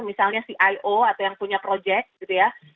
misalnya cio atau yang punya project gitu ya